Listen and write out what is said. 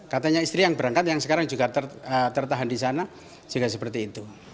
katanya istri yang berangkat yang sekarang juga tertahan di sana juga seperti itu